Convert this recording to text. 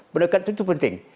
pendekatan itu penting